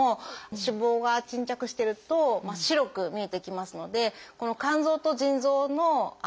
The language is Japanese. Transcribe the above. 脂肪が沈着してると白く見えてきますので肝臓と腎臓の色調が違う。